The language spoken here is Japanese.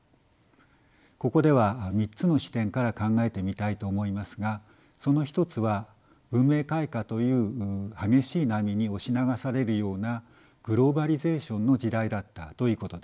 ここでは３つの視点から考えてみたいと思いますがその一つは文明開化という激しい波に押し流されるようなグローバリゼーションの時代だったということです。